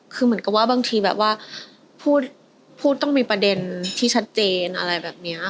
คือเหมือนกับว่าบางทีแบบว่าพูดต้องมีประเด็นที่ชัดเจนอะไรแบบนี้